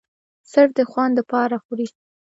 صرف د خوند د پاره خوري